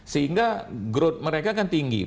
sehingga growth mereka kan tinggi